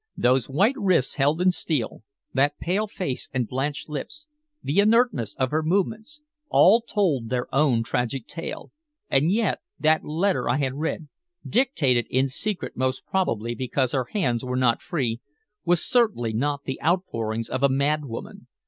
Those white wrists held in steel, that pale face and blanched lips, the inertness of her movements, all told their own tragic tale. And yet that letter I had read, dictated in secret most probably because her hands were not free, was certainly not the outpourings of a madwoman.